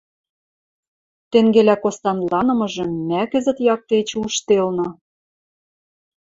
Тенгелӓ костанланымыжым мӓ кӹзӹт якте эче ужделна.